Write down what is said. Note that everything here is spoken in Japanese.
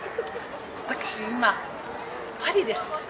「私今パリです」